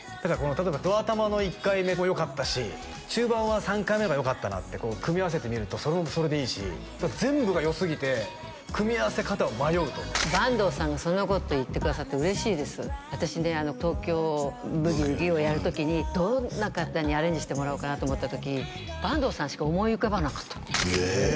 例えばど頭の１回目もよかったし中盤は３回目の方がよかったなって組み合わせてみるとそれもそれでいいし全部がよすぎて組み合わせ方を迷うと坂東さんがそんなこと言ってくださって嬉しいです私ね「東京ブギウギ」をやる時にどんな方にアレンジしてもらおうかなと思った時坂東さんしか思い浮かばなかったのへえ